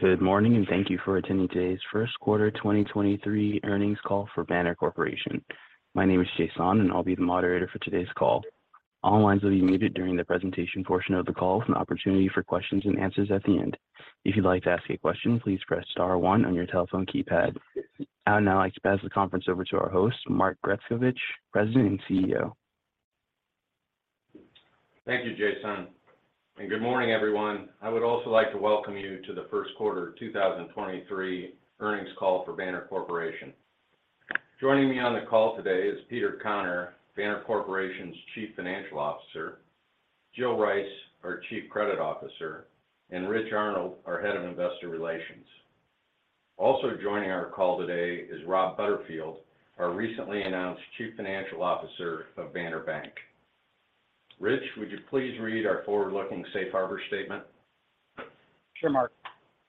Good morning. Thank you for attending today's first quarter 2023 earnings call for Banner Corporation. My name is Jason. I'll be the moderator for today's call. All lines will be muted during the presentation portion of the call with an opportunity for questions and answers at the end. If you'd like to ask a question, please press star one on your telephone keypad. I'd now like to pass the conference over to our host, Mark Grescovich, President and CEO. Thank you, Jason. Good morning, everyone. I would also like to welcome you to the first quarter 2023 earnings call for Banner Corporation. Joining me on the call today is Peter Conner, Banner Corporation's Chief Financial Officer; Jill Rice, our Chief Credit Officer; and Rich Arnold, our Head of Investor Relations. Also joining our call today is Rob Butterfield, our recently announced Chief Financial Officer of Banner Bank. Rich, would you please read our forward-looking safe harbor statement? Sure, Mark.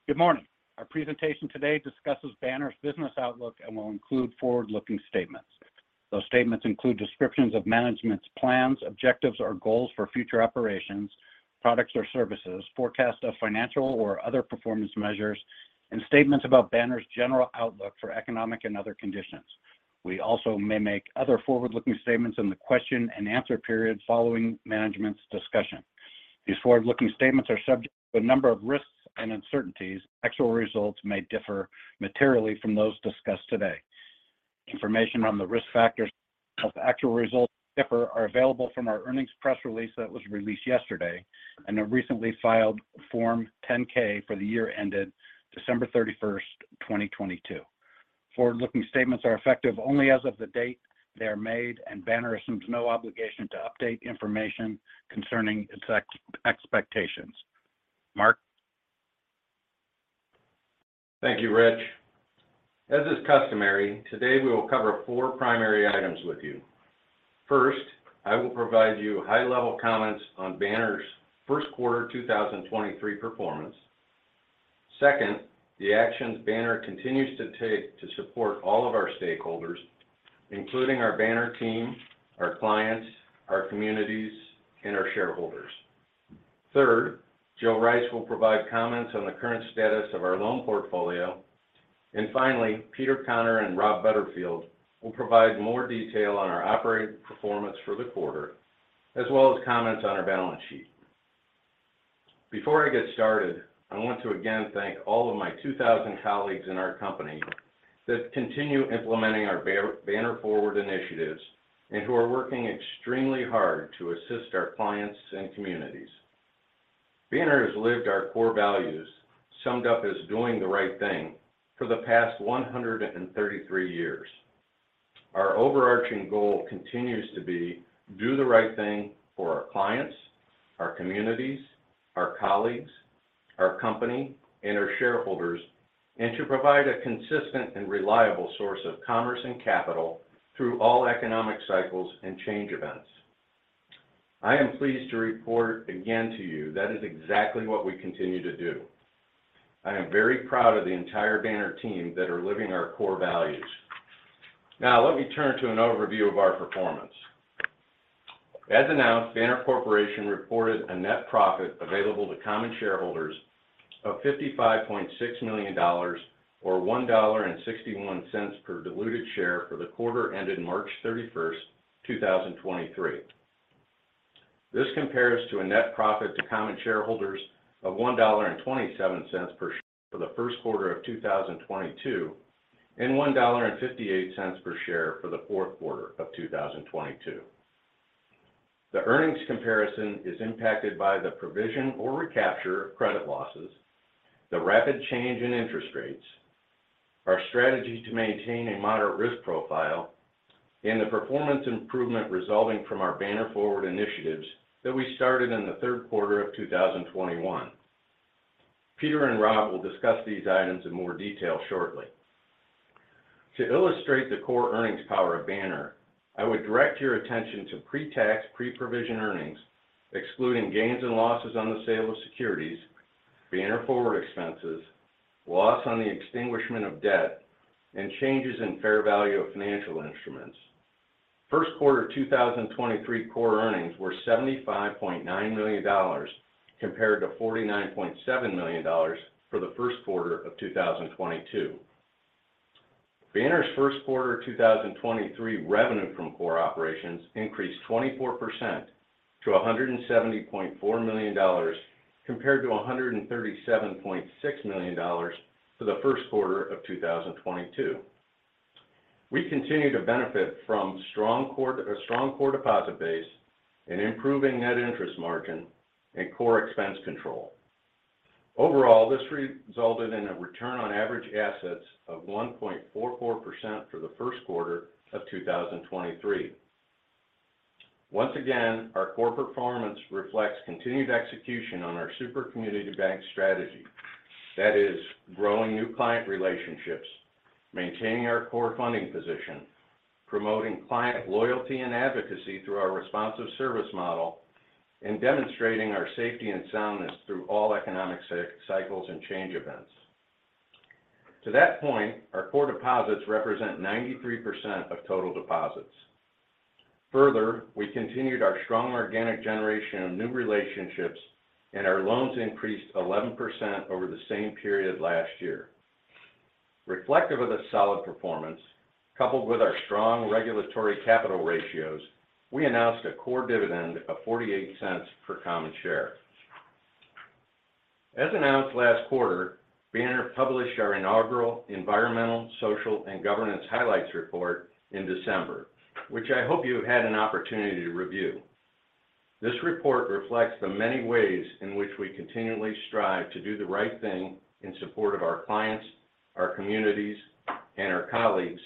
Good morning. Our presentation today discusses Banner's business outlook and will include forward-looking statements. Those statements include descriptions of management's plans, objectives or goals for future operations, products or services, forecasts of financial or other performance measures, and statements about Banner's general outlook for economic and other conditions. We also may make other forward-looking statements in the question and answer period following management's discussion. These forward-looking statements are subject to a number of risks and uncertainties. Actual results may differ materially from those discussed today. Information on the risk factors that actual results differ are available from our earnings press release that was released yesterday and a recently filed Form 10-K for the year ended December 31st, 2022. Forward-looking statements are effective only as of the date they are made, and Banner assumes no obligation to update information concerning its expectations. Mark? Thank you, Rich Arnold. As is customary, today we will cover four primary items with you. First, I will provide you high-level comments on Banner's first quarter 2023 performance. Second, the actions Banner continues to take to support all of our stakeholders, including our Banner team, our clients, our communities, and our shareholders. Third, Jill Rice will provide comments on the current status of our loan portfolio. Finally, Peter Conner and Rob Butterfield will provide more detail on our operating performance for the quarter, as well as comments on our balance sheet. Before I get started, I want to again thank all of my 2,000 colleagues in our company that continue implementing our Banner Forward initiatives and who are working extremely hard to assist our clients and communities. Banner has lived our core values, summed up as doing the right thing, for the past 133 years. Our overarching goal continues to be do the right thing for our clients, our communities, our colleagues, our company, and our shareholders, and to provide a consistent and reliable source of commerce and capital through all economic cycles and change events. I am pleased to report again to you that is exactly what we continue to do. I am very proud of the entire Banner team that are living our core values. Let me turn to an overview of our performance. As announced, Banner Corporation reported a net profit available to common shareholders of $55.6 million or $1.61 per diluted share for the quarter ended March 31st, 2023. This compares to a net profit to common shareholders of $1.27 per share for the first quarter of 2022 and $1.58 per share for the fourth quarter of 2022. The earnings comparison is impacted by the provision or recapture of credit losses, the rapid change in interest rates, our strategy to maintain a moderate risk profile, and the performance improvement resulting from our Banner Forward initiatives that we started in the third quarter of 2021. Peter and Rob will discuss these items in more detail shortly. To illustrate the core earnings power of Banner, I would direct your attention to pre-tax pre-provision earnings, excluding gains and losses on the sale of securities, Banner Forward expenses, loss on the extinguishment of debt, and changes in fair value of financial instruments. First quarter 2023 core earnings were $75.9 million compared to $49.7 million for the first quarter of 2022. Banner's first quarter 2023 revenue from core operations increased 24% to $170.4 million compared to $137.6 million for the first quarter of 2022. We continue to benefit from strong core, a strong core deposit base, an improving Net Interest Margin, and core expense control. Overall, this resulted in a Return on Average Assets of 1.44% for the first quarter of 2023. Once again, our core performance reflects continued execution on our super community bank strategy. That is growing new client relationships, maintaining our core funding position, promoting client loyalty and advocacy through our responsive service model, and demonstrating our safety and soundness through all economic cycles and change events. To that point, our core deposits represent 93% of total deposits. We continued our strong organic generation of new relationships and our loans increased 11% over the same period last year. Reflective of the solid performance, coupled with our strong regulatory capital ratios, we announced a core dividend of $0.48 per common share. As announced last quarter, Banner published our inaugural environmental, social, and governance highlights report in December, which I hope you have had an opportunity to review. This report reflects the many ways in which we continually strive to do the right thing in support of our clients, our communities, and our colleagues,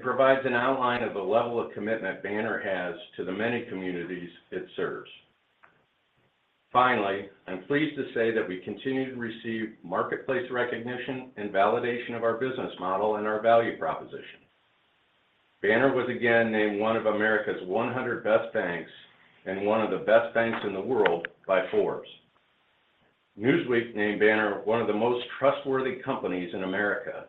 provides an outline of the level of commitment Banner has to the many communities it serves. Finally, I'm pleased to say that we continue to receive marketplace recognition and validation of our business model and our value proposition. Banner was again named one of America's 100 best banks and one of the best banks in the world by Forbes. Newsweek named Banner one of the most trustworthy companies in America.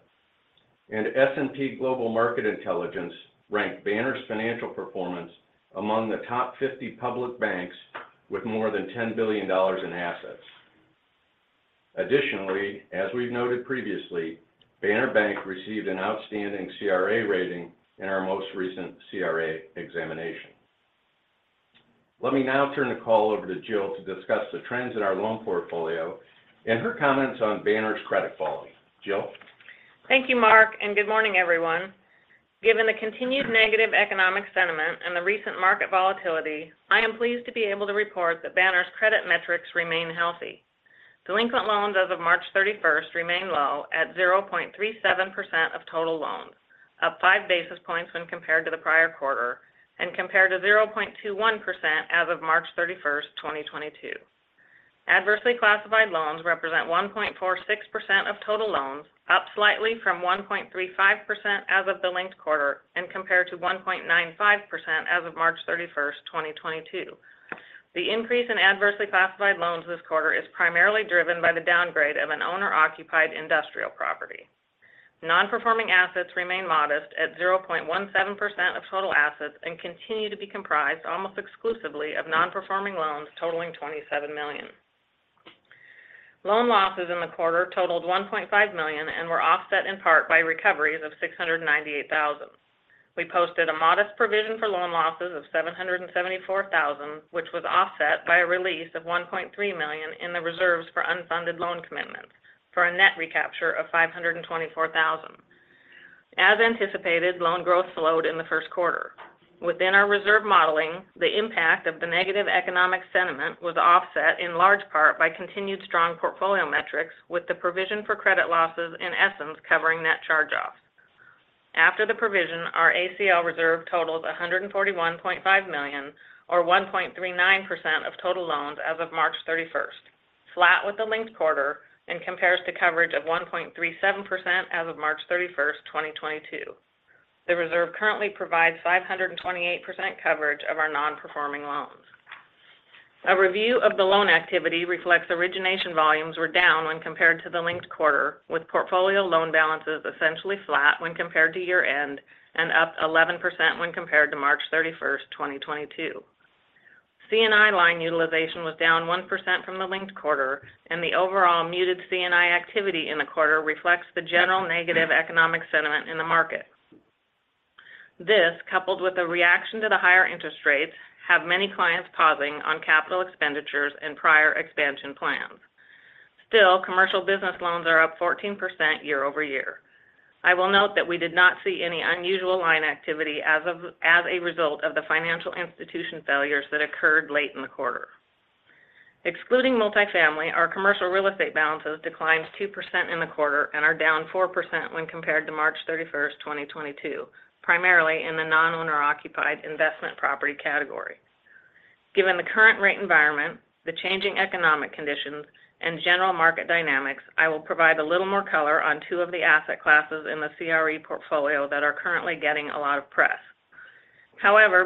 S&P Global Market Intelligence ranked Banner's financial performance among the top 50 public banks with more than $10 billion in assets. Additionally, as we've noted previously, Banner Bank received an outstanding CRA rating in our most recent CRA examination. Let me now turn the call over to Jill to discuss the trends in our loan portfolio and her comments on Banner's credit quality. Jill? Thank you, Mark. Good morning, everyone. Given the continued negative economic sentiment and the recent market volatility, I am pleased to be able to report that Banner's credit metrics remain healthy. Delinquent loans as of March 31st remain low at 0.37% of total loans, up 5 basis points when compared to the prior quarter, and compared to 0.21% as of March 31st, 2022. Adversely classified loans represent 1.46% of total loans, up slightly from 1.35% as of the linked quarter and compared to 1.95% as of March 31st, 2022. The increase in adversely classified loans this quarter is primarily driven by the downgrade of an owner-occupied industrial property. Non-performing assets remain modest at 0.17% of total assets and continue to be comprised almost exclusively of non-performing loans totaling $27 million. Loan losses in the quarter totaled $1.5 million and were offset in part by recoveries of $698,000. We posted a modest provision for loan losses of $774,000, which was offset by a release of $1.3 million in the reserves for unfunded loan commitments for a net recapture of $524,000. As anticipated, loan growth slowed in the first quarter. Within our reserve modeling, the impact of the negative economic sentiment was offset in large part by continued strong portfolio metrics with the provision for credit losses in essence covering net charge-offs. After the provision, our ACL reserve totals $141.5 million or 1.39% of total loans as of March 31st, flat with the linked quarter and compares to coverage of 1.37% as of March 31st, 2022. The reserve currently provides 528% coverage of our non-performing loans. A review of the loan activity reflects origination volumes were down when compared to the linked quarter, with portfolio loan balances essentially flat when compared to year-end and up 11% when compared to March 31st, 2022. C&I line utilization was down 1% from the linked quarter, the overall muted C&I activity in the quarter reflects the general negative economic sentiment in the market. This, coupled with the reaction to the higher interest rates, have many clients pausing on capital expenditures and prior expansion plans. Still, commercial business loans are up 14% year-over-year. I will note that we did not see any unusual line activity as a result of the financial institution failures that occurred late in the quarter. Excluding multifamily, our commercial real estate balances declined 2% in the quarter and are down 4% when compared to March 31st, 2022, primarily in the non-owner occupied investment property category. Given the current rate environment, the changing economic conditions, and general market dynamics, I will provide a little more color on two of the asset classes in the CRE portfolio that are currently getting a lot of press.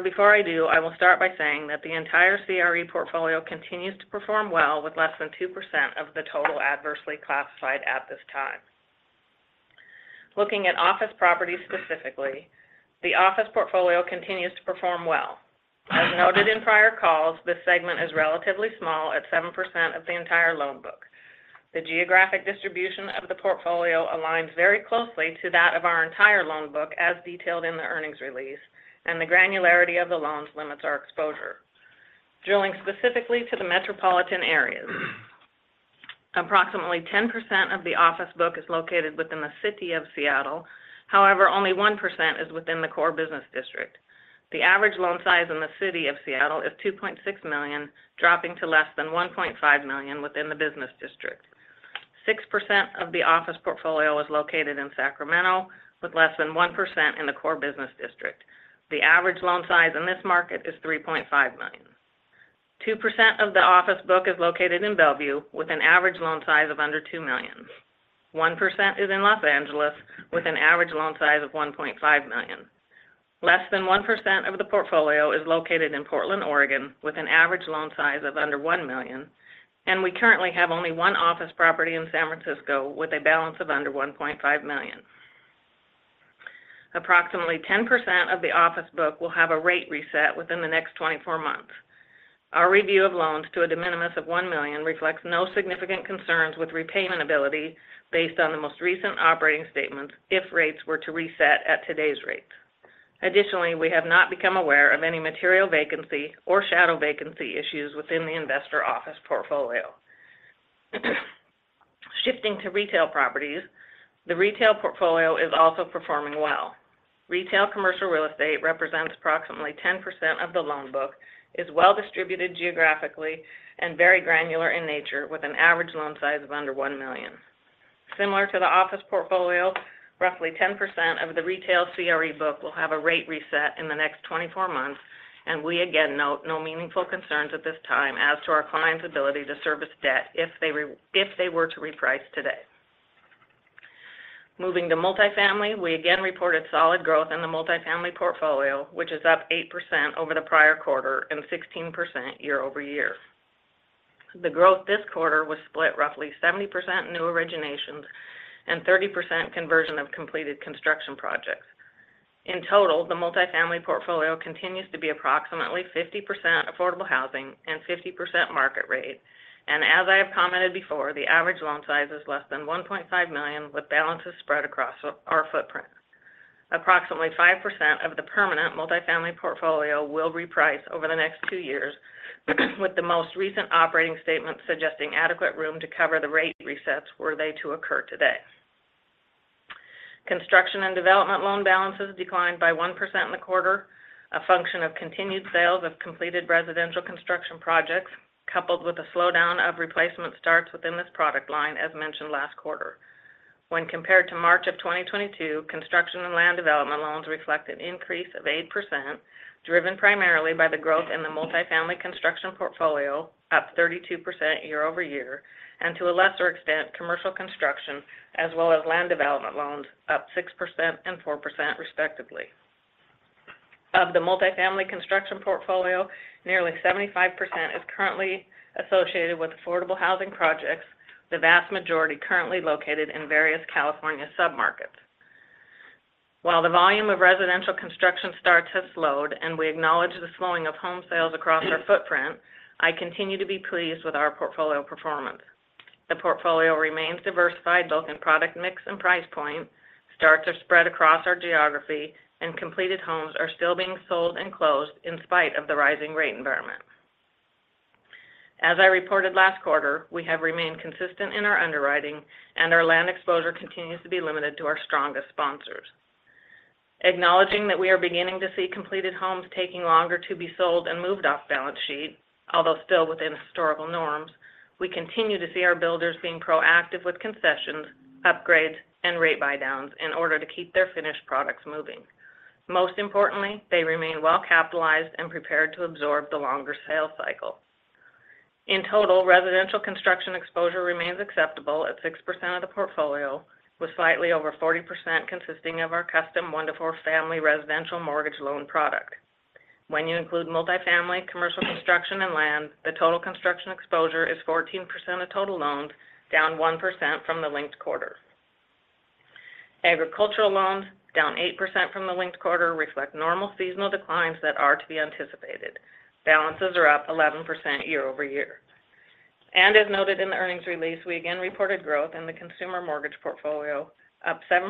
Before I do, I will start by saying that the entire CRE portfolio continues to perform well with less than 2% of the total adversely classified at this time. Looking at office properties specifically, the office portfolio continues to perform well. As noted in prior calls, this segment is relatively small at 7% of the entire loan book. The geographic distribution of the portfolio aligns very closely to that of our entire loan book as detailed in the earnings release, and the granularity of the loans limits our exposure. Drilling specifically to the metropolitan areas, approximately 10% of the office book is located within the city of Seattle. However, only 1% is within the core business district. The average loan size in the city of Seattle is $2.6 million, dropping to less than $1.5 million within the business district. 6% of the office portfolio is located in Sacramento, with less than 1% in the core business district. The average loan size in this market is $3.5 million. 2% of the office book is located in Bellevue, with an average loan size of under $2 million. 1% is in Los Angeles, with an average loan size of $1.5 million. Less than 1% of the portfolio is located in Portland, Oregon, with an average loan size of under $1 million, and we currently have only one office property in San Francisco with a balance of under $1.5 million. Approximately 10% of the office book will have a rate reset within the next 24 months. Our review of loans to a de minimis of $1 million reflects no significant concerns with repayment ability based on the most recent operating statements if rates were to reset at today's rate. Additionally, we have not become aware of any material vacancy or shadow vacancy issues within the investor office portfolio. Shifting to retail properties, the retail portfolio is also performing well. Retail commercial real estate represents approximately 10% of the loan book, is well-distributed geographically and very granular in nature with an average loan size of under $1 million. Similar to the office portfolio, roughly 10% of the retail CRE book will have a rate reset in the next 24 months. We again note no meaningful concerns at this time as to our clients' ability to service debt if they were to reprice today. Moving to multifamily, we again reported solid growth in the multifamily portfolio, which is up 8% over the prior quarter and 16% year-over-year. The growth this quarter was split roughly 70% new originations and 30% conversion of completed construction projects. In total, the multifamily portfolio continues to be approximately 50% affordable housing and 50% market rate, and as I have commented before, the average loan size is less than $1.5 million, with balances spread across our footprint. Approximately 5% of the permanent multifamily portfolio will reprice over the next two years with the most recent operating statement suggesting adequate room to cover the rate resets were they to occur today. Construction and development loan balances declined by 1% in the quarter, a function of continued sales of completed residential construction projects, coupled with a slowdown of replacement starts within this product line as mentioned last quarter. When compared to March of 2022, construction and land development loans reflect an increase of 8%, driven primarily by the growth in the multifamily construction portfolio, up 32% year-over-year, and to a lesser extent, commercial construction as well as land development loans, up 6% and 4% respectively. Of the multifamily construction portfolio, nearly 75% is currently associated with affordable housing projects, the vast majority currently located in various California submarkets. While the volume of residential construction starts has slowed and we acknowledge the slowing of home sales across our footprint, I continue to be pleased with our portfolio performance. The portfolio remains diversified both in product mix and price point, starts are spread across our geography, and completed homes are still being sold and closed in spite of the rising rate environment. As I reported last quarter, we have remained consistent in our underwriting, and our land exposure continues to be limited to our strongest sponsors. Acknowledging that we are beginning to see completed homes taking longer to be sold and moved off balance sheet, although still within historical norms, we continue to see our builders being proactive with concessions, upgrades, and rate buydowns in order to keep their finished products moving. Most importantly, they remain well capitalized and prepared to absorb the longer sales cycle. In total, residential construction exposure remains acceptable at 6% of the portfolio, with slightly over 40% consisting of our custom one to four family residential mortgage loan product. When you include multifamily, commercial construction, and land, the total construction exposure is 14% of total loans, down 1% from the linked quarter. Agricultural loans, down 8% from the linked quarter, reflect normal seasonal declines that are to be anticipated. Balances are up 11% year-over-year. As noted in the earnings release, we again reported growth in the consumer mortgage portfolio, up 7%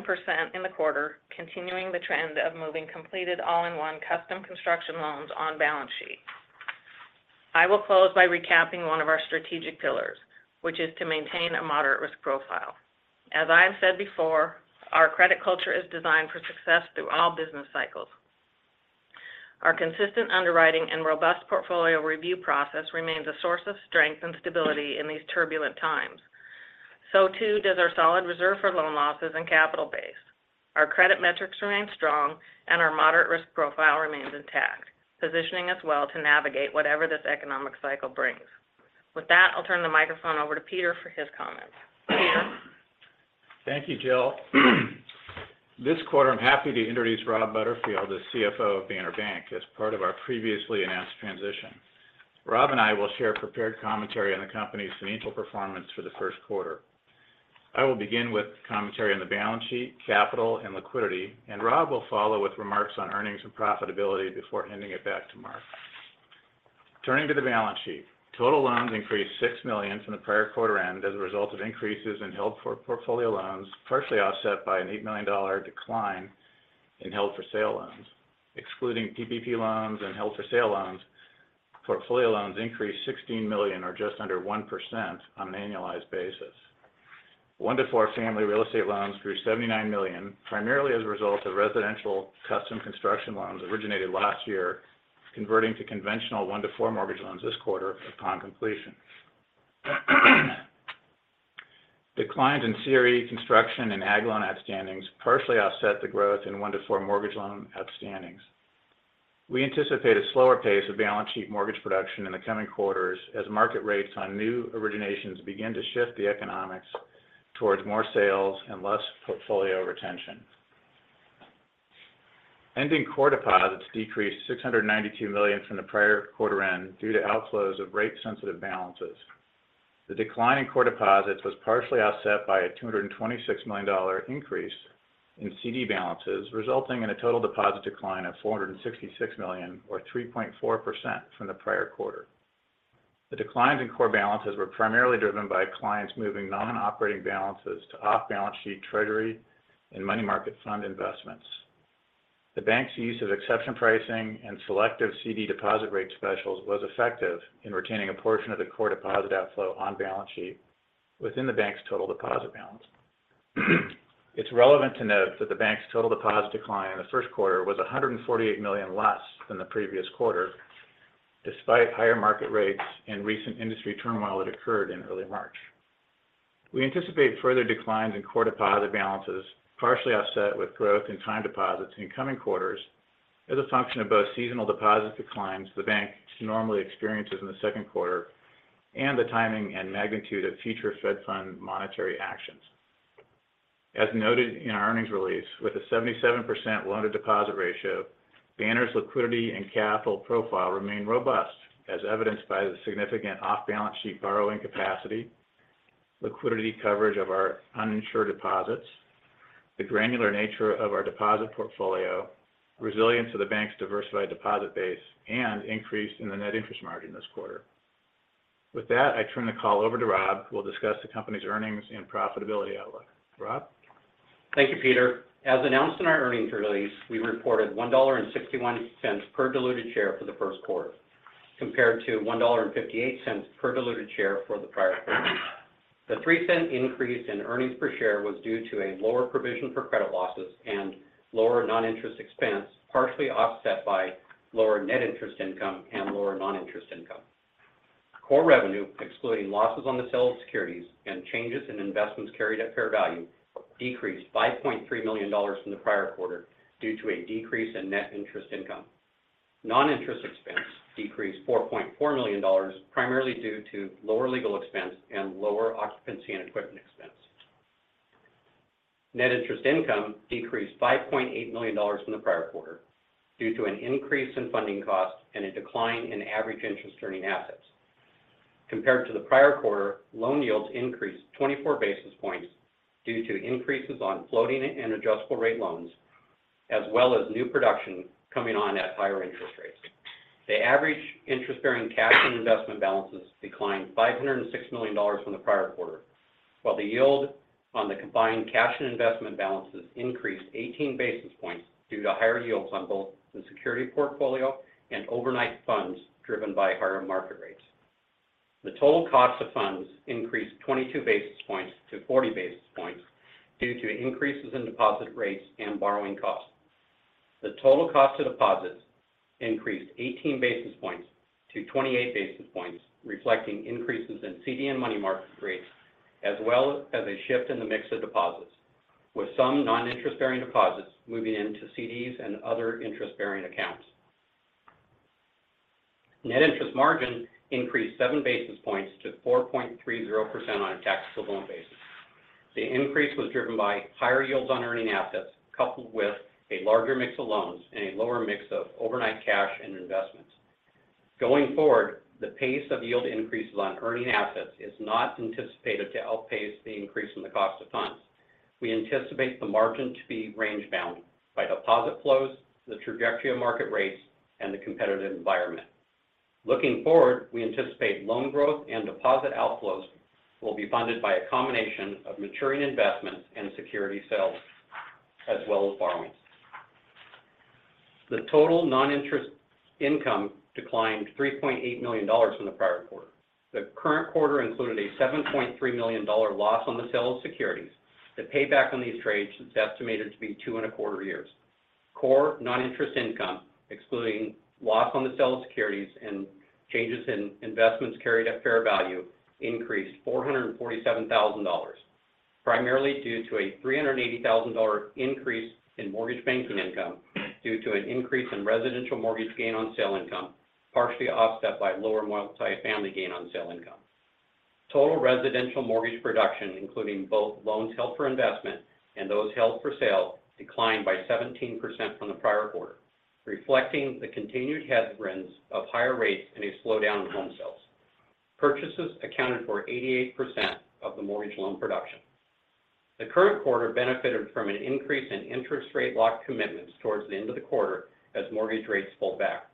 in the quarter, continuing the trend of moving completed all-in-one custom construction loans on balance sheet. I will close by recapping one of our strategic pillars, which is to maintain a moderate risk profile. As I have said before, our credit culture is designed for success through all business cycles. Our consistent underwriting and robust portfolio review process remains a source of strength and stability in these turbulent times. Too does our solid reserve for loan losses and capital base. Our credit metrics remain strong and our moderate risk profile remains intact, positioning us well to navigate whatever this economic cycle brings. With that, I'll turn the microphone over to Peter for his comments. Thank you, Jill. This quarter, I'm happy to introduce Rob Butterfield, the CFO of Banner Bank, as part of our previously announced transition. Rob and I will share prepared commentary on the company's financial performance for the first quarter. I will begin with commentary on the balance sheet, capital, and liquidity, and Rob will follow with remarks on earnings and profitability before handing it back to Mark. Turning to the balance sheet. Total loans increased $6 million from the prior quarter end as a result of increases in held for portfolio loans, partially offset by an $8 million decline in held for sale loans. Excluding PPP loans and held for sale loans, portfolio loans increased $16 million or just under 1% on an annualized basis. One to four family real estate loans grew $79 million, primarily as a result of residential custom construction loans originated last year, converting to conventional one to four mortgage loans this quarter upon completion. Declines in CRE construction and ag loan outstandings partially offset the growth in one to four mortgage loan outstandings. We anticipate a slower pace of balance sheet mortgage production in the coming quarters as market rates on new originations begin to shift the economics towards more sales and less portfolio retention. Ending core deposits decreased $692 million from the prior quarter end due to outflows of rate sensitive balances. The decline in core deposits was partially offset by a $226 million increase in CD balances, resulting in a total deposit decline of $466 million or 3.4% from the prior quarter. The declines in core balances were primarily driven by clients moving non-operating balances to off-balance sheet treasury and money market fund investments. The bank's use of exception pricing and selective CD deposit rate specials was effective in retaining a portion of the core deposit outflow on balance sheet within the bank's total deposit balance. It's relevant to note that the bank's total deposit decline in the first quarter was $148 million less than the previous quarter, despite higher market rates and recent industry turmoil that occurred in early March. We anticipate further declines in core deposit balances, partially offset with growth in time deposits in coming quarters as a function of both seasonal deposit declines the bank normally experiences in the second quarter, and the timing and magnitude of future Federal Funds monetary actions. As noted in our earnings release, with a 77% loan-to-deposit ratio, Banner's liquidity and capital profile remain robust, as evidenced by the significant off-balance sheet borrowing capacity, liquidity coverage of our uninsured deposits, the granular nature of our deposit portfolio, resilience of the bank's diversified deposit base, and increase in the Net Interest Margin this quarter. I turn the call over to Rob, who will discuss the company's earnings and profitability outlook. Rob? Thank you, Peter. As announced in our earnings release, we reported $1.61 per diluted share for the first quarter compared to $1.58 per diluted share for the prior quarter. The $0.03 increase in earnings per share was due to a lower provision for credit losses and lower non-interest expense, partially offset by lower net interest income and lower non-interest income. Core revenue, excluding losses on the sale of securities and changes in investments carried at fair value, decreased $5.3 million from the prior quarter due to a decrease in net interest income. Non-interest expense decreased $4.4 million, primarily due to lower legal expense and lower occupancy and equipment expense. Net interest income decreased $5.8 million from the prior quarter due to an increase in funding costs and a decline in average interest earning assets. Compared to the prior quarter, loan yields increased 24 basis points due to increases on floating and adjustable rate loans, as well as new production coming on at higher interest rates. The average interest bearing cash and investment balances declined $506 million from the prior quarter, while the yield on the combined cash and investment balances increased 18 basis points due to higher yields on both the security portfolio and overnight funds driven by higher market rates. The total cost of funds increased 22 basis points to 40 basis points due to increases in deposit rates and borrowing costs. The total cost of deposits increased 18 basis points to 28 basis points, reflecting increases in CD and money market rates, as well as a shift in the mix of deposits, with some non-interest bearing deposits moving into CDs and other interest bearing accounts. Net Interest Margin increased 7 basis points to 4.30% on a taxable loan basis. The increase was driven by higher yields on earning assets, coupled with a larger mix of loans and a lower mix of overnight cash and investments. Going forward, the pace of yield increases on earning assets is not anticipated to outpace the increase in the cost of funds. We anticipate the margin to be range bound by deposit flows, the trajectory of market rates, and the competitive environment. Looking forward, we anticipate loan growth and deposit outflows will be funded by a combination of maturing investments and security sales, as well as borrowings. Total non-interest income declined $3.8 million from the prior quarter. Current quarter included a $7.3 million loss on the sale of securities. Payback on these trades is estimated to be 2.25 years. Core non-interest income, excluding loss on the sale of securities and changes in investments carried at fair value, increased $447,000, primarily due to a $380,000 increase in mortgage banking income due to an increase in residential mortgage gain on sale income, partially offset by lower multifamily gain on sale income. Total residential mortgage production, including both loans held for investment and those held for sale, declined by 17% from the prior quarter, reflecting the continued headwinds of higher rates and a slowdown in home sales. Purchases accounted for 88% of the mortgage loan production. The current quarter benefited from an increase in interest rate lock commitments towards the end of the quarter as mortgage rates pulled back.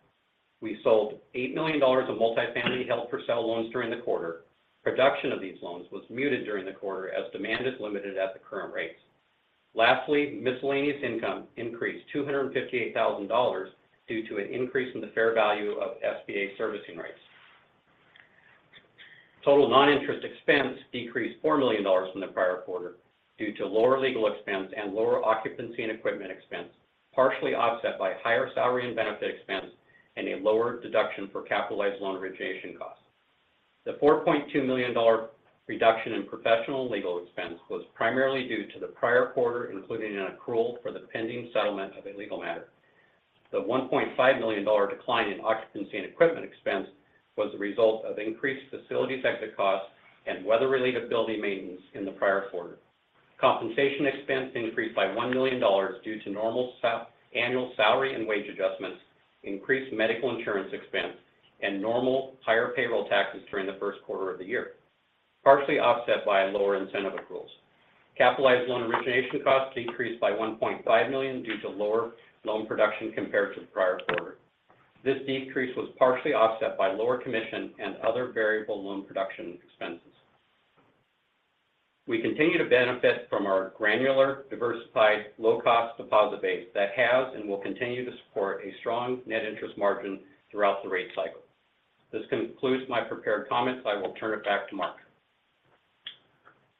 We sold $8 million of multifamily held-for-sale loans during the quarter. Production of these loans was muted during the quarter as demand is limited at the current rates. Lastly, miscellaneous income increased $258,000 due to an increase in the fair value of SBA servicing rates. Total non-interest expense decreased $4 million from the prior quarter due to lower legal expense and lower occupancy and equipment expense, partially offset by higher salary and benefit expense and a lower deduction for capitalized loan origination costs. The $4.2 million reduction in professional legal expense was primarily due to the prior quarter, including an accrual for the pending settlement of a legal matter. The $1.5 million decline in occupancy and equipment expense was the result of increased facility exit costs and weather-related building maintenance in the prior quarter. Compensation expense increased by $1 million due to normal annual salary and wage adjustments, increased medical insurance expense, and normal higher payroll taxes during the first quarter of the year, partially offset by lower incentive accruals. Capitalized loan origination costs decreased by $1.5 million due to lower loan production compared to the prior quarter. This decrease was partially offset by lower commission and other variable loan production expenses. We continue to benefit from our granular, diversified, low-cost deposit base that has and will continue to support a strong Net Interest Margin throughout the rate cycle. This concludes my prepared comments. I will turn it back to Mark.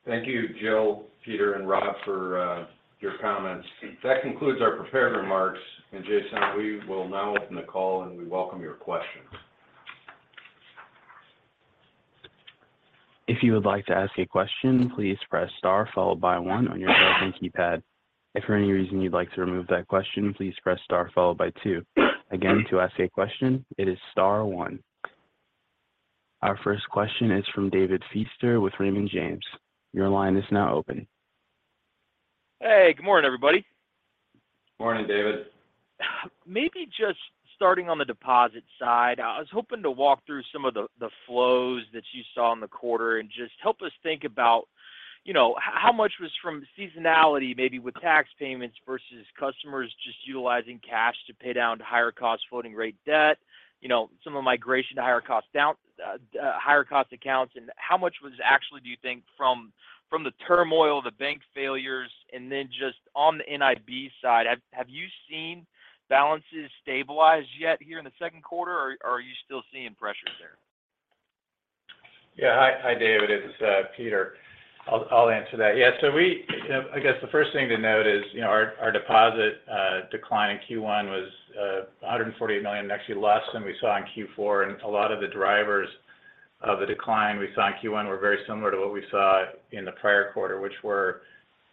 Thank you, Jill, Peter, and Rob for your comments. That concludes our prepared remarks. Jason, we will now open the call, and we welcome your questions. If you would like to ask a question, please press star followed by one on your telephone keypad. If for any reason you'd like to remove that question, please press star followed by two. Again, to ask a question, it is star one. Our first question is from David Feaster with Raymond James. Your line is now open. Hey, good morning, everybody. Morning, David. Maybe just starting on the deposit side, I was hoping to walk through some of the flows that you saw in the quarter and just help us think about, you know, how much was from seasonality, maybe with tax payments versus customers just utilizing cash to pay down higher cost floating rate debt, you know, some of the migration to higher cost accounts, and how much was actually do you think from the turmoil, the bank failures? Then just on the NIB side, have you seen balances stabilize yet here in the second quarter? Or are you still seeing pressures there? Hi, David, it's Peter. I'll answer that. You know, I guess the first thing to note is, you know, our deposit decline in Q1 was $148 million, actually less than we saw in Q4. A lot of the drivers of the decline we saw in Q1 were very similar to what we saw in the prior quarter, which were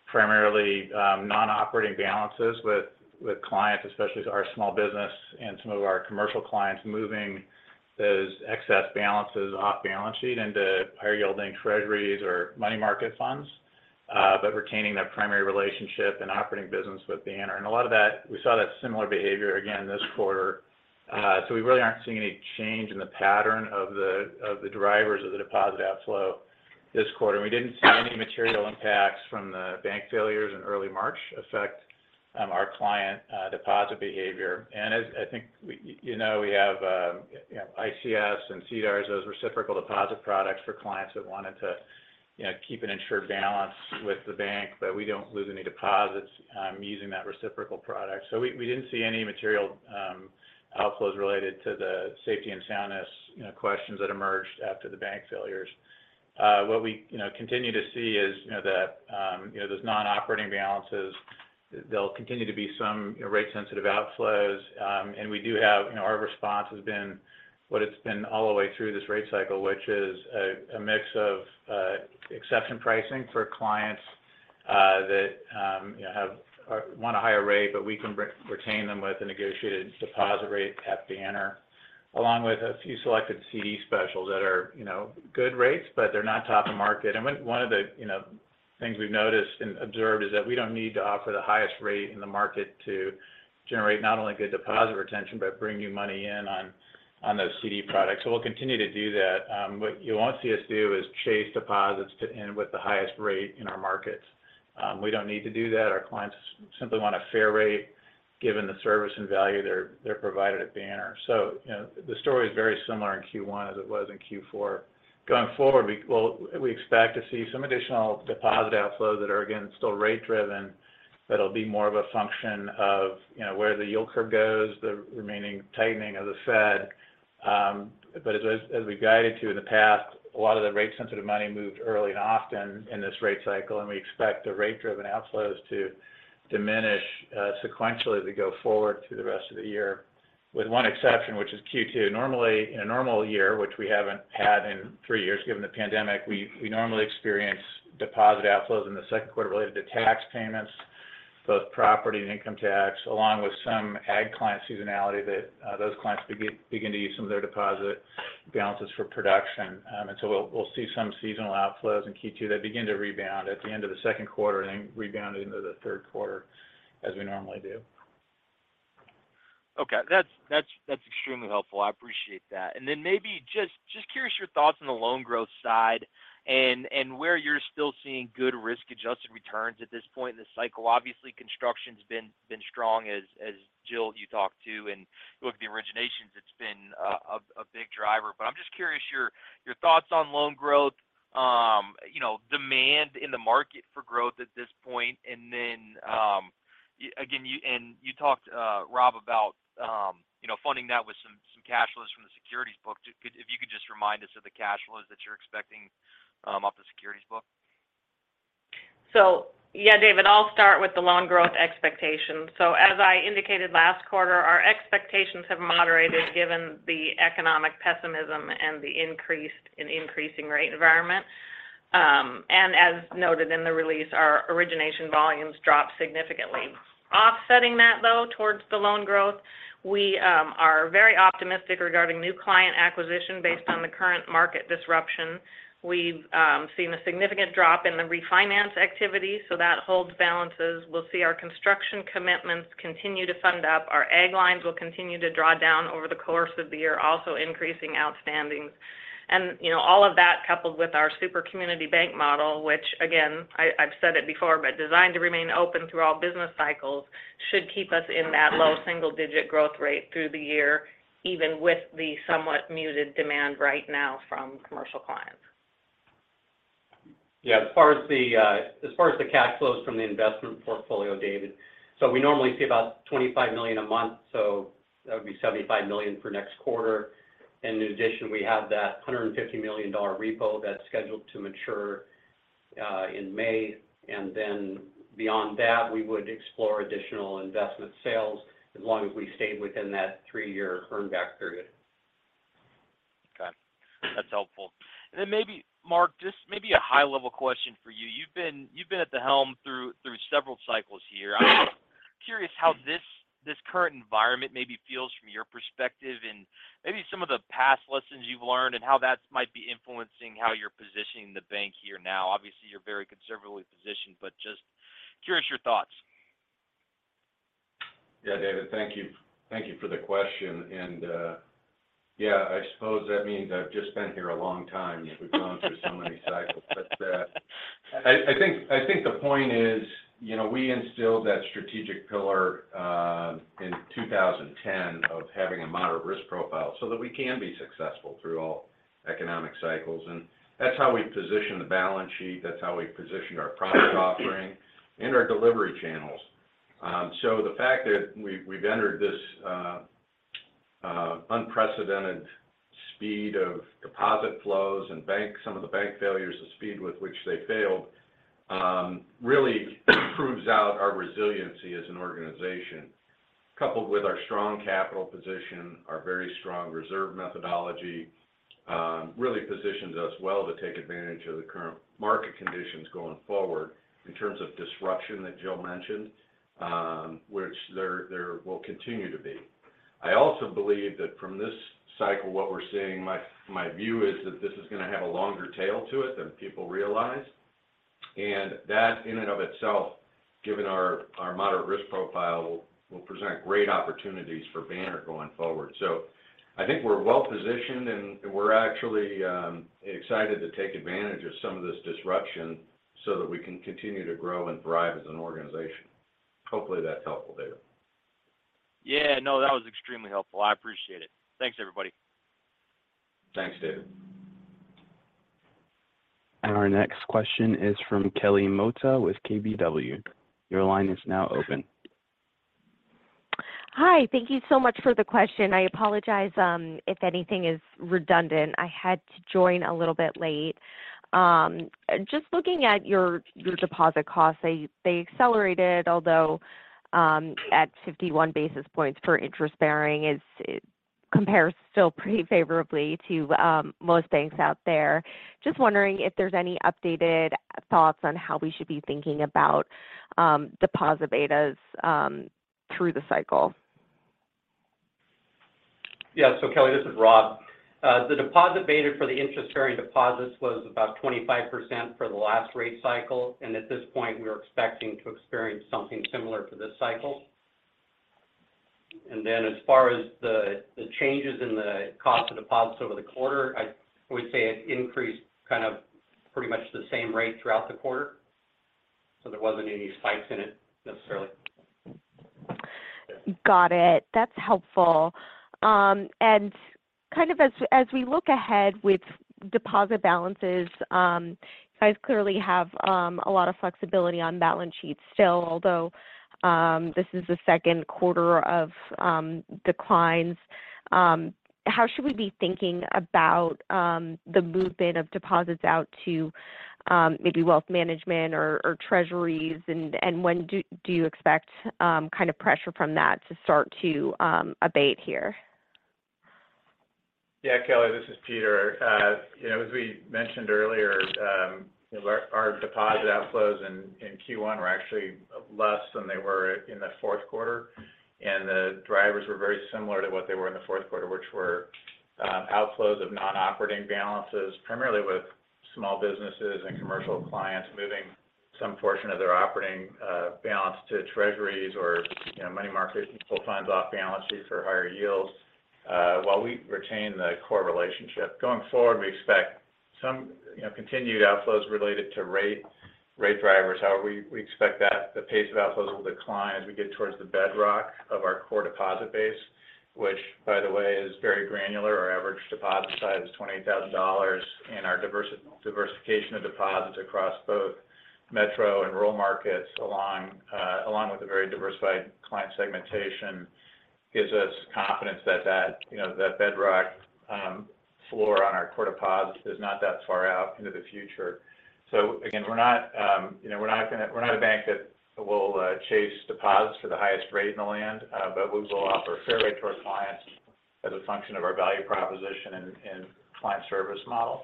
primarily non-operating balances with clients, especially our small business and some of our commercial clients moving those excess balances off balance sheet into higher yielding treasuries or money market funds, but retaining that primary relationship and operating business with Banner. A lot of that, we saw that similar behavior again this quarter. We really aren't seeing any change in the pattern of the, of the drivers of the deposit outflow this quarter. We didn't see any material impacts from the bank failures in early March affect our client deposit behavior. As I think you know, we have, you know, ICS and CDARS, those reciprocal deposit products for clients that wanted to, you know, keep an insured balance with the bank, but we don't lose any deposits using that reciprocal product. We, we didn't see any material outflows related to the safety and soundness, you know, questions that emerged after the bank failures. What we, you know, continue to see is, you know, that, you know, those non-operating balances, there'll continue to be some rate sensitive outflows. You know, our response has been what it's been all the way through this rate cycle, which is a mix of exception pricing for clients that, you know, want a higher rate, but we can re-retain them with a negotiated deposit rate at Banner, along with a few selected CD specials that are, you know, good rates, but they're not top of market. One of the, you know, things we've noticed and observed is that we don't need to offer the highest rate in the market to generate not only good deposit retention, but bring new money in on those CD products. We'll continue to do that. What you won't see us do is chase deposits to end with the highest rate in our markets. We don't need to do that. Our clients simply want a fair rate given the service and value they're provided at Banner. You know, the story is very similar in Q1 as it was in Q4. Going forward, well, we expect to see some additional deposit outflows that are, again, still rate-driven, but it'll be more of a function of, you know, where the yield curve goes, the remaining tightening of the Fed. As we guided to in the past, a lot of the rate-sensitive money moved early and often in this rate cycle, and we expect the rate-driven outflows to diminish sequentially as we go forward through the rest of the year, with one exception, which is Q2. Normally, in a normal year, which we haven't had in three years, given the pandemic, we normally experience deposit outflows in the second quarter related to tax payments, both property and income tax, along with some ag client seasonality that those clients begin to use some of their deposit balances for production. We'll see some seasonal outflows in Q2 that begin to rebound at the end of the second quarter and then rebound into the third quarter as we normally do. Okay. That's extremely helpful. I appreciate that. Then maybe just curious your thoughts on the loan growth side and where you're still seeing good risk-adjusted returns at this point in the cycle. Obviously, construction's been strong as Jill you talked to, and you look at the originations, it's been a big driver. I'm just curious your thoughts on loan growth, you know, demand in the market for growth at this point. Then again, and you talked, Rob, about, you know, funding that with some cash flows from the securities book. If you could just remind us of the cash flows that you're expecting off the securities book. Yeah, David, I'll start with the loan growth expectations. As I indicated last quarter, our expectations have moderated given the economic pessimism and the increased and increasing rate environment. As noted in the release, our origination volumes dropped significantly. Offsetting that though towards the loan growth, we are very optimistic regarding new client acquisition based on the current market disruption. We've seen a significant drop in the refinance activity, so that holds balances. We'll see our construction commitments continue to fund up. Our ag lines will continue to draw down over the course of the year, also increasing outstandings. You know, all of that coupled with our super community bank model, which again, I've said it before, but designed to remain open through all business cycles, should keep us in that low single-digit growth rate through the year, even with the somewhat muted demand right now from commercial clients. Yeah. As far as the as far as the cash flows from the investment portfolio, David. We normally see about $25 million a month, so that would be $75 million for next quarter. In addition, we have that $150 million repo that's scheduled to mature in May. Beyond that, we would explore additional investment sales as long as we stayed within that three-year earn back period. Okay. That's helpful. Maybe Mark, just maybe a high-level question for you. You've been at the helm through several cycles here. I'm curious how this current environment maybe feels from your perspective and maybe some of the past lessons you've learned and how that might be influencing how you're positioning the bank here now. Obviously, you're very conservatively positioned, but just curious your thoughts. Yeah. David, thank you. Thank you for the question. Yeah, I suppose that means I've just been here a long time. We've gone through so many cycles. I think the point is, you know, we instilled that strategic pillar in 2010 of having a moderate risk profile so that we can be successful through all economic cycles. That's how we position the balance sheet, that's how we position our product offering and our delivery channels. The fact that we've entered this unprecedented speed of deposit flows and some of the bank failures, the speed with which they failed, really proves out our resiliency as an organization. Coupled with our strong capital position, our very strong reserve methodology, really positions us well to take advantage of the current market conditions going forward in terms of disruption that Jill mentioned, which there will continue to be. I also believe that from this cycle, what we're seeing, my view is that this is gonna have a longer tail to it than people realize. That in and of itself, given our moderate risk profile, will present great opportunities for Banner going forward. I think we're well positioned, and we're actually excited to take advantage of some of this disruption so that we can continue to grow and thrive as an organization. Hopefully, that's helpful, David. Yeah. No, that was extremely helpful. I appreciate it. Thanks, everybody. Thanks, David. Our next question is from Kelly Motta with KBW. Your line is now open. Hi. Thank you so much for the question. I apologize, if anything is redundant. I had to join a little bit late. Just looking at your deposit costs, they accelerated, although, at 51 basis points for interest bearing it compares still pretty favorably to, most banks out there. Just wondering if there's any updated thoughts on how we should be thinking about, deposit betas, through the cycle. Yeah. Kelly, this is Rob. The deposit beta for the interest-bearing deposits was about 25% for the last rate cycle. At this point, we're expecting to experience something similar for this cycle. As far as the changes in the cost of deposits over the quarter, I would say it increased kind of pretty much the same rate throughout the quarter. There wasn't any spikes in it necessarily. Got it. That's helpful. Kind of as we look ahead with deposit balances, you guys clearly have a lot of flexibility on balance sheets still, although this is the second quarter of declines. How should we be thinking about the movement of deposits out to maybe wealth management or treasuries? When do you expect kind of pressure from that to start to abate here? Yeah. Kelly, this is Peter. You know, as we mentioned earlier, our deposit outflows in Q1 were actually less than they were in the fourth quarter. The drivers were very similar to what they were in the fourth quarter, which were, outflows of non-operating balances, primarily with small businesses and commercial clients moving some portion of their operating, balance to treasuries or, you know, money market and pull funds off balances for higher yields, while we retain the core relationship. Going forward, we expect some, you know, continued outflows related to rate drivers. However, we expect that the pace of outflows will decline as we get towards the bedrock of our core deposit base. Which by the way, is very granular. Our average deposit size is $28,000. Our diversification of deposits across both metro and rural markets along with a very diversified client segmentation gives us confidence that, you know, that bedrock. Floor on our quarter pods is not that far out into the future. Again, we're not, you know, we're not a bank that will chase deposits for the highest rate in the land. We will offer a fair rate to our clients as a function of our value proposition and client service model.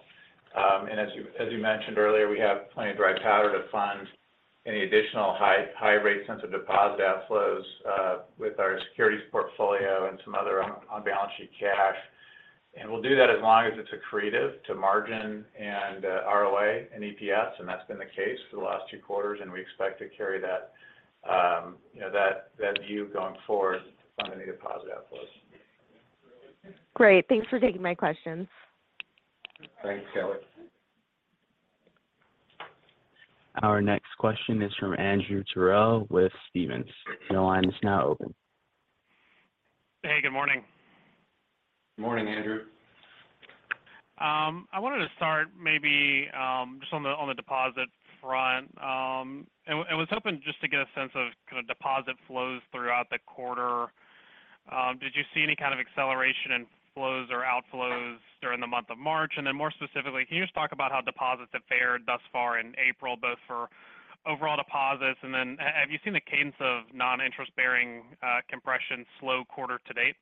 As you mentioned earlier, we have plenty of dry powder to fund any additional high-rate sensitive deposit outflows with our securities portfolio and some other on-balance sheet cash. We'll do that as long as it's accretive to margin and ROA and EPS, and that's been the case for the last two quarters, and we expect to carry that, you know, that view going forward to fund any deposit outflows. Great. Thanks for taking my questions. Thanks, Kelly. Our next question is from Andrew Terrell with Stephens. Your line is now open. Hey, good morning. Morning, Andrew. I wanted to start maybe just on the deposit front. I was hoping just to get a sense of kind of deposit flows throughout the quarter. Did you see any kind of acceleration in flows or outflows during the month of March? More specifically, can you just talk about how deposits have fared thus far in April, both for overall deposits and then have you seen the cadence of non-interest-bearing compression slow quarter to date?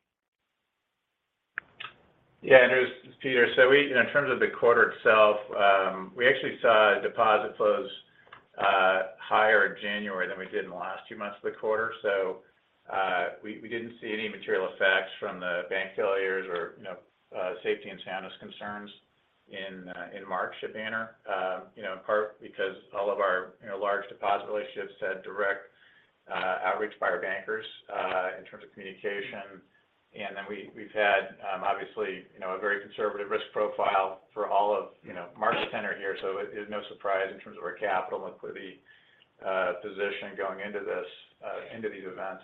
Yeah. Andrew, it's Peter. you know, in terms of the quarter itself, we actually saw deposit flows, higher in January than we did in the last two months of the quarter. we didn't see any material effects from the bank failures or, you know, safety and soundness concerns in March at Banner. you know, in part because all of our, you know, large deposit relationships had direct outreach by our bankers, in terms of communication. We, we've had, obviously, you know, a very conservative risk profile for all of, you know, March center here. It is no surprise in terms of our capital and equity position going into this, into these events.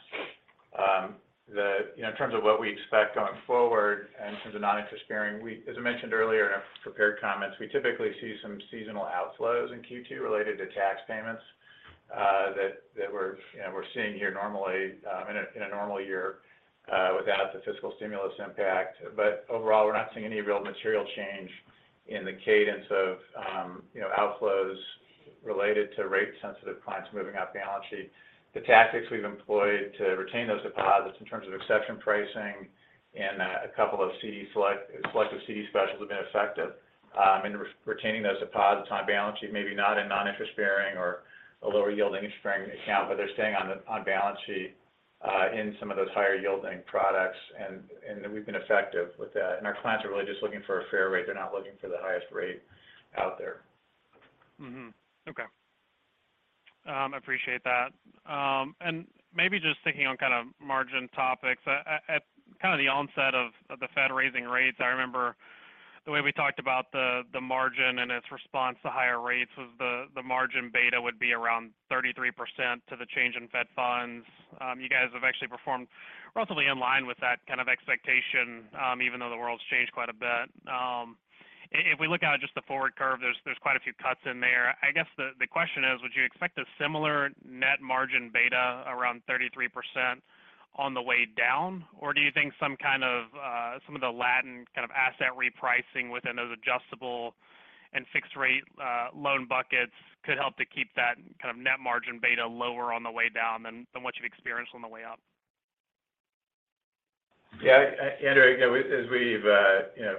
You know, in terms of what we expect going forward in terms of non-interest bearing, as I mentioned earlier in our prepared comments, we typically see some seasonal outflows in Q2 related to tax payments, that we're, you know, we're seeing here normally, in a normal year, without the fiscal stimulus impact. Overall, we're not seeing any real material change in the cadence of, you know, outflows related to rate sensitive clients moving off balance sheet. The tactics we've employed to retain those deposits in terms of exception pricing and a couple of selective CD specials have been effective in retaining those deposits on balance sheet. Maybe not in non-interest bearing or a lower yielding interest-bearing account, but they're staying on balance sheet in some of those higher yielding products. We've been effective with that. Our clients are really just looking for a fair rate. They're not looking for the highest rate out there. Okay. Appreciate that. Maybe just thinking on kind of margin topics. At kind of the onset of the Fed raising rates, I remember the way we talked about the margin and its response to higher rates was the margin beta would be around 33% to the change in Fed funds. You guys have actually performed relatively in line with that kind of expectation, even though the world's changed quite a bit. If we look out at just the forward curve, there's quite a few cuts in there. I guess the question is, would you expect a similar net margin beta around 33% on the way down? Do you think some kind of, some of the latent kind of asset repricing within those adjustable and fixed rate loan buckets could help to keep that kind of net margin beta lower on the way down than what you've experienced on the way up? Yeah. Andrew, you know, as we've, you know,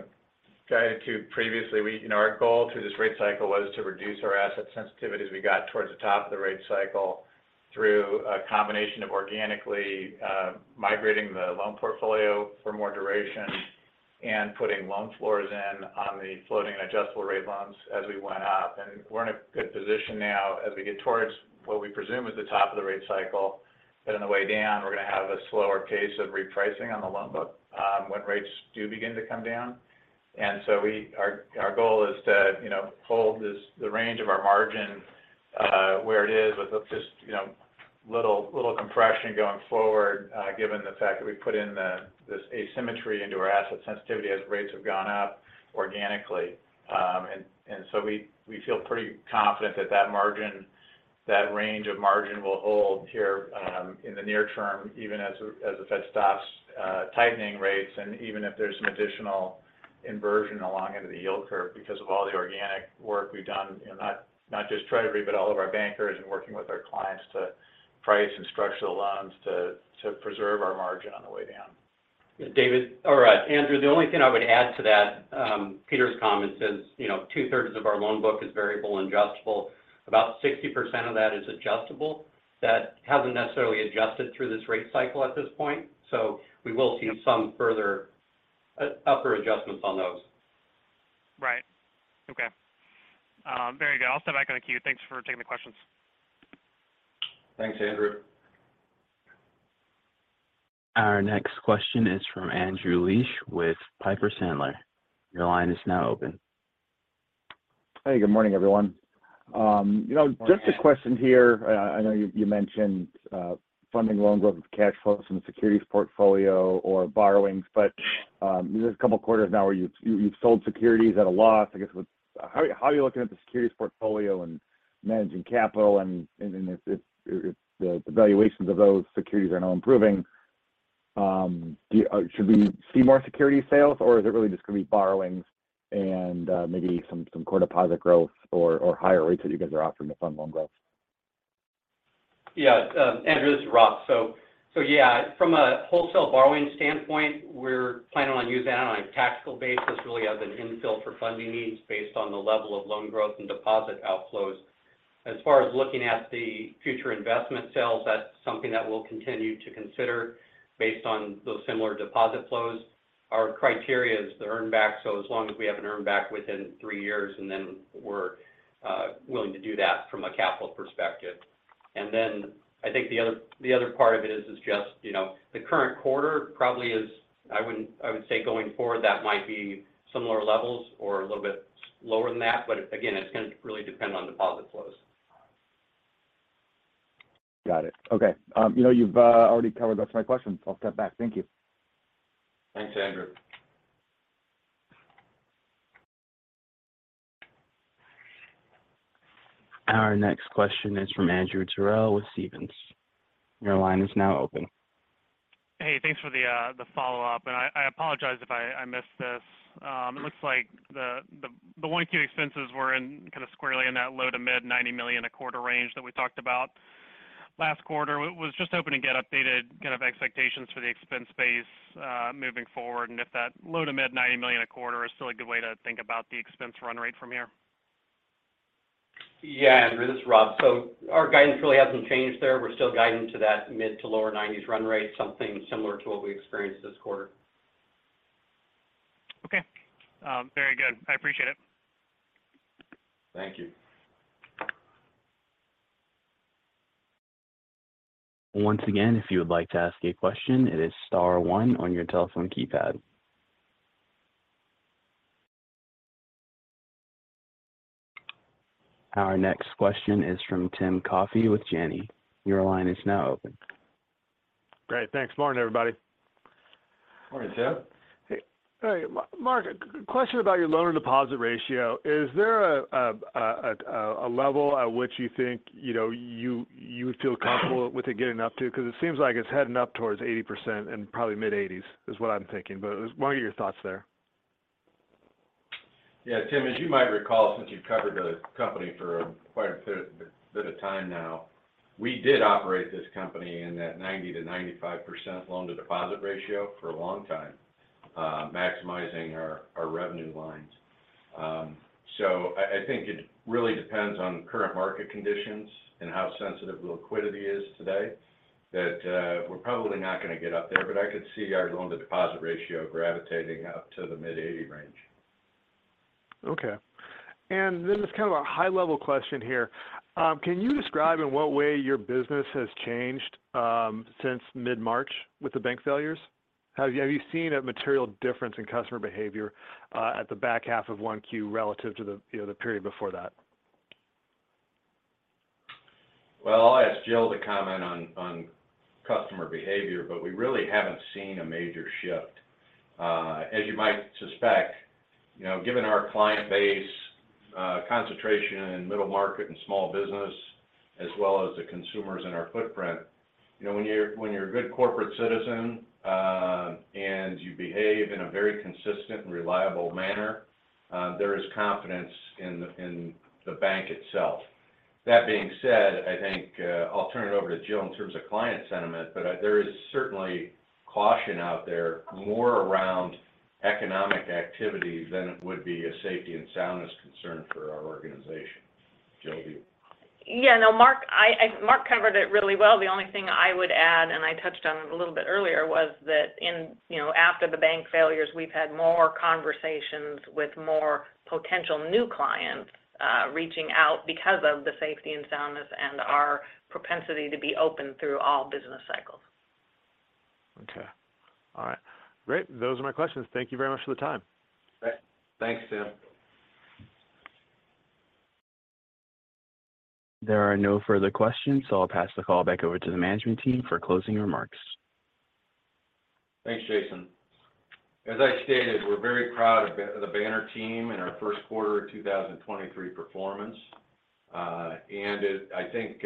guided to previously, you know, our goal through this rate cycle was to reduce our asset sensitivity as we got towards the top of the rate cycle through a combination of organically, migrating the loan portfolio for more duration and putting loan floors in on the floating and adjustable rate loans as we went up. We're in a good position now as we get towards what we presume is the top of the rate cycle. On the way down, we're going to have a slower pace of repricing on the loan book, when rates do begin to come down. Our goal is to, you know, hold this, the range of our margin, where it is with just, you know, little compression going forward, given the fact that we put in this asymmetry into our asset sensitivity as rates have gone up organically. We feel pretty confident that that margin, that range of margin will hold here, in the near term, even as the Fed stops tightening rates and even if there's some additional inversion along into the yield curve because of all the organic work we've done. You know, not just Treasury, but all of our bankers and working with our clients to price and structure the loans to preserve our margin on the way down. Yeah. David-- or, Andrew, the only thing I would add to that, Peter's comment is, you know, 2/3 of our loan book is variable and adjustable. About 60% of that is adjustable. That hasn't necessarily adjusted through this rate cycle at this point. We will see some further upper adjustments on those. Right. Okay. Very good. I'll step back on the queue. Thanks for taking the questions. Thanks, Andrew. Our next question is from Andrew Liesch with Piper Sandler. Your line is now open. Hey, good morning, everyone. Morning, Andrew. Just a question here. I know you mentioned funding loan growth with cash flows from the securities portfolio or borrowings. There's a couple quarters now where you've sold securities at a loss. How are you looking at the securities portfolio and managing capital and then if the valuations of those securities are now improving, should we see more security sales or is it really just gonna be borrowings and maybe some core deposit growth or higher rates that you guys are offering to fund loan growth? Yeah. Andrew, this is Rob. Yeah, from a wholesale borrowing standpoint, we're planning on using that on a tactical basis really as an infill for funding needs based on the level of loan growth and deposit outflows. As far as looking at the future investment sales, that's something that we'll continue to consider based on those similar deposit flows. Our criteria is to earn back, so as long as we have it earned back within three years, then we're willing to do that from a capital perspective. Then I think the other part of it is just, you know, the current quarter probably I would say going forward, that might be similar levels or a little bit lower than that. Again, it's gonna really depend on deposit flows. Got it. Okay. You know, you've already covered most of my questions. I'll step back. Thank you. Thanks, Andrew. Our next question is from Andrew Terrell with Stephens. Your line is now open. Hey, thanks for the follow-up. I apologize if I missed this. It looks like the 1Q expenses were in kind of squarely in that low to mid $90 million a quarter range that we talked about last quarter. was just hoping to get updated kind of expectations for the expense base moving forward, and if that low to mid $90 million a quarter is still a good way to think about the expense run rate from here. Yeah, Andrew, this is Rob. Our guidance really hasn't changed there. We're still guiding to that mid to lower 90s% run rate, something similar to what we experienced this quarter. Okay. Very good. I appreciate it. Thank you. Once again, if you would like to ask a question, it is star one on your telephone keypad. Our next question is from Timothy Coffey with Janney. Your line is now open. Great. Thanks. Morning, everybody. Morning, Timothy. Hey. All right. Mark, a question about your loan-to-deposit ratio. Is there a level at which you think, you know, you feel comfortable with it getting up to? It seems like it's heading up towards 80% and probably mid-80s is what I'm thinking. What are your thoughts there? Yeah. Tim, as you might recall, since you've covered Banner for quite a bit of time now, we did operate this company in that 90%-95% loan-to-deposit ratio for a long time, maximizing our revenue lines. I think it really depends on current market conditions and how sensitive liquidity is today that we're probably not gonna get up there. I could see our loan-to-deposit ratio gravitating up to the mid-80 range. Just kind of a high-level question here. Can you describe in what way your business has changed since mid-March with the bank failures? Have you seen a material difference in customer behavior at the back half of 1Q relative to the, you know, the period before that? Well, I'll ask Jill to comment on customer behavior, but we really haven't seen a major shift. As you might suspect, you know, given our client base, concentration in middle market and small business as well as the consumers in our footprint. You know, when you're, when you're a good corporate citizen, and you behave in a very consistent and reliable manner, there is confidence in the bank itself. That being said, I think, I'll turn it over to Jill in terms of client sentiment, but there is certainly caution out there more around economic activity than it would be a safety and soundness concern for our organization. Jill, do you... Yeah. No, Mark covered it really well. The only thing I would add, and I touched on it a little bit earlier, was that in, you know, after the bank failures, we've had more conversations with more potential new clients, reaching out because of the safety and soundness and our propensity to be open through all business cycles. Okay. All right. Great. Those are my questions. Thank you very much for the time. Okay. Thanks, Timothy. There are no further questions, so I'll pass the call back over to the management team for closing remarks. Thanks, Jason. As I stated, we're very proud of the Banner team and our first quarter 2023 performance. I think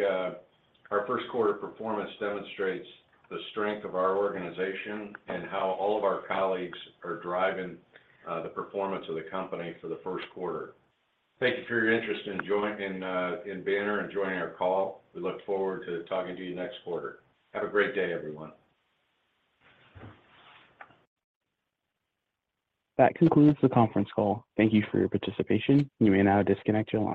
our first quarter performance demonstrates the strength of our organization and how all of our colleagues are driving the performance of the company for the first quarter. Thank you for your interest in Banner and joining our call. We look forward to talking to you next quarter. Have a great day, everyone. That concludes the conference call. Thank you for your participation. You may now disconnect your line.